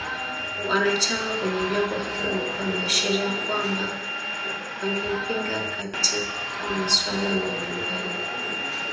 Wanachama kwenye jopo hilo walikuwa wameashiria kwamba wangempinga katika masuala mbali mbali